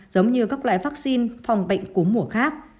giống như các loại vắc xin phòng bệnh cú mùa khác